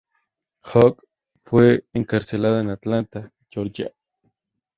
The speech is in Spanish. Hook fue encarcelada en Atlanta, Georgia.